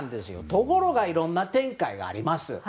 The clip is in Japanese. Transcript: ところがいろんな展開があります。